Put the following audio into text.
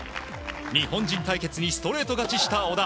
日本人対決にストレート勝ちした小田。